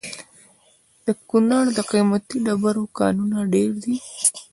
د کونړ د قیمتي ډبرو کانونه ډیر دي؟